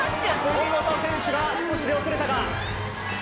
杉本選手が少し出遅れたか？